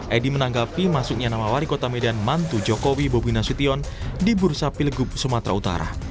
edi menanggapi masuknya nama wali kota medan mantu jokowi bobi nasution di bursa pilgub sumatera utara